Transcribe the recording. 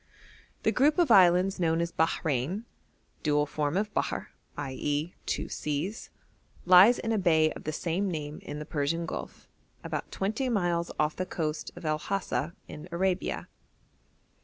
The group of islands known as Bahrein (dual form of Bahr, i.e. two seas) lies in a bay of the same name in the Persian Gulf, about twenty miles off the coast of El Hasa in Arabia.